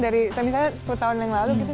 dari misalnya sepuluh tahun yang lalu gitu